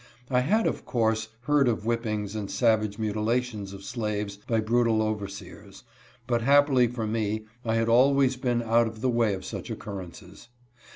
I had, of course, heard of whippings and savage mutilations of slaves by brutal over seers, but happily for me I had always been out of the way of such occurrences.